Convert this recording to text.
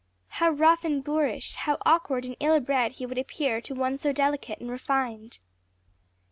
How rough and boorish, how awkward and ill bred he would appear to one so delicate and refined.